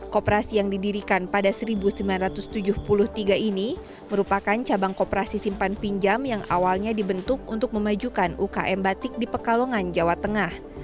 kooperasi yang didirikan pada seribu sembilan ratus tujuh puluh tiga ini merupakan cabang kooperasi simpan pinjam yang awalnya dibentuk untuk memajukan ukm batik di pekalongan jawa tengah